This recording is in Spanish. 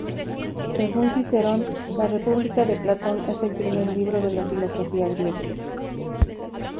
Según Cicerón, la "República" de Platón es el primer libro de la filosofía griega.